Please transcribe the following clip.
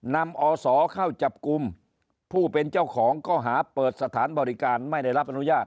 อศเข้าจับกลุ่มผู้เป็นเจ้าของก็หาเปิดสถานบริการไม่ได้รับอนุญาต